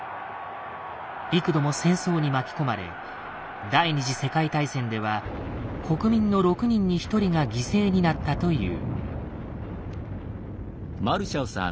幾度も戦争に巻き込まれ第２次世界大戦では国民の６人に１人が犠牲になったという。